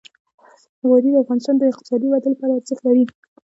وادي د افغانستان د اقتصادي ودې لپاره ارزښت لري.